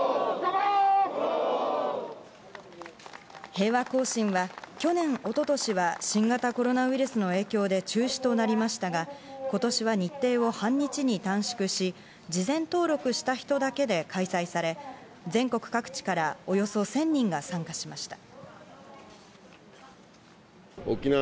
平和行進は去年、一昨年は新型コロナウイルスの影響で中止となりましたが、今年は日程を半日に短縮し、事前登録した人だけで開催され、全国各地からおよそ１０００人が参加しました。